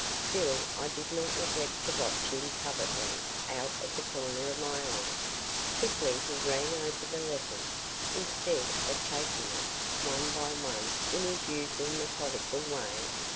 Still, I did not neglect to watch him covertly out of the corner of my eye. Quickly he ran over the letters, instead of taking them, one by one, in his usual methodical way.